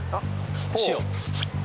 塩？